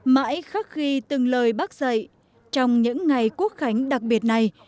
mãi khắc ghi từng lời bác dạy trong những ngày quốc khánh đặc biệt này